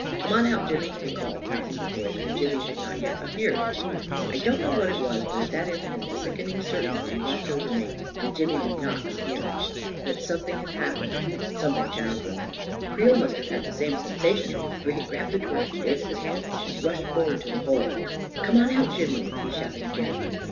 Come on out, Jimmy 1" he called, raising his voice, for Jimmy had not yet appeared. I don't know what it was; but at that instant the sickening certainty rushed over me that Jimmy would not appear — that something had happened — something terrible ... Creel must have had the same sensation, for he grabbed the torch from Davis's hand and rushed forward to the hole. " Come on out, Jimmy! " he shouted again.